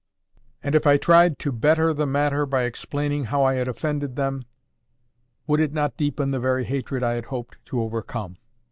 And if I tried to better the matter by explaining how I had offended them, would it not deepen the very hatred I had hoped to overcome?